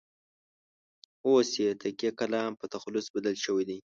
اوس یې تکیه کلام په تخلص بدل شوی دی.